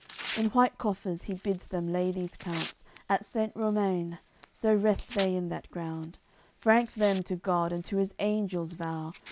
In white coffers he bids them lay those counts At Saint Romain: So rest they in that ground. Franks them to God and to His Angels vow.